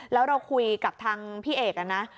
แล้วเราคุยกับทางพี่เอกนะ